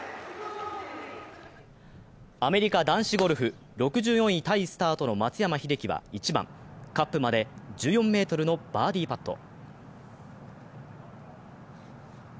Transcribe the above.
アメリカ男子ゴルフ、６４位タイスタートの松山英樹は１番、カップまで１４ｍのバーディーパット。